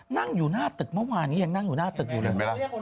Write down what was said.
นั่งอยู่หน้าตึกเมื่อวานนี้ยังนั่งอยู่หน้าตึกอยู่เลยไหมล่ะ